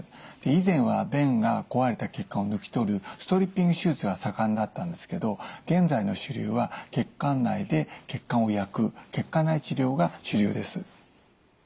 以前は弁が壊れた血管を抜き取るストリッピング手術が盛んだったんですけど現在の主流は血管内で血管を焼く血管内治療が主流です。